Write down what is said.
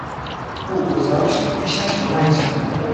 او گذاشت ریشش بلند شود.